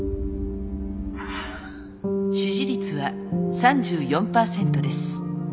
支持率は３４％です。